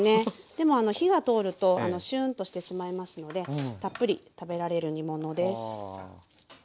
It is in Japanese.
でもあの火が通るとシュンとしてしまいますのでたっぷり食べられる煮物です。